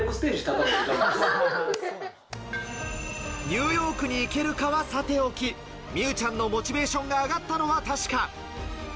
ニューヨークに行けるかはさておき、美羽ちゃんのモチベーションが上がったのは確か。